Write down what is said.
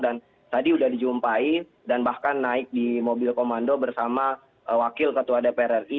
dan tadi sudah dijumpai dan bahkan naik di mobil komando bersama wakil ketua dpr ri